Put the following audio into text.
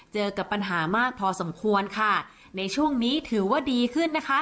เจอกับปัญหามากพอสมควรค่ะในช่วงนี้ถือว่าดีขึ้นนะคะ